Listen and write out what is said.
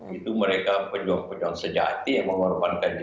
itu mereka penjual penjual sejati yang mengorbankan diri